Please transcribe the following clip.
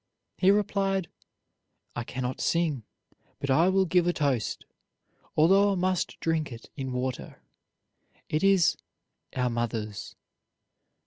He replied: "I cannot sing, but I will give a toast, although I must drink it in water. It is 'Our Mothers.'"